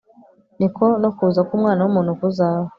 Ni ko no kuza kUmwana wumuntu kuzaba